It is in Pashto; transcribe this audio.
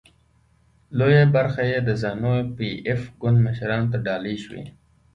لویه برخه یې د زانو پي ایف ګوند مشرانو ته ډالۍ شوې.